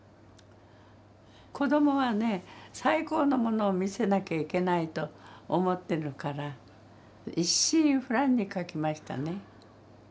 子供は最高のものを見せなきゃいけないと思ってるから一心不乱に描きましたね。